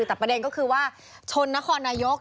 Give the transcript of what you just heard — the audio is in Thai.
แต่ประเด็นก็คือว่าชนนครนายก